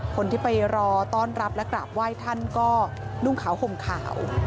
คนที่ไปรอต้อนรับและกราบไหว้ท่านก็นุ่งขาวห่มขาว